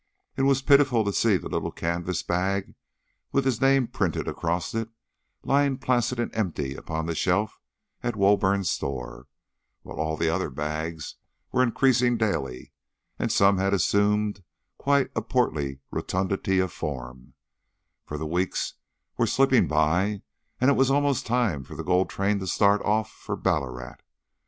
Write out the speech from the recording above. It was pitiful to see the little canvas bag, with his name printed across it, lying placid and empty upon the shelf at Woburn's store, while all the other bags were increasing daily, and some had assumed quite a portly rotundity of form, for the weeks were slipping by, and it was almost time for the gold train to start off for Ballarat.